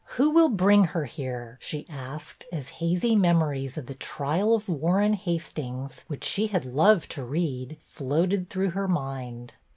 Who will bring her here ?" she asked, as hazy memories of the trial of Warren Hastings, which she had loved to read, floated through her mind.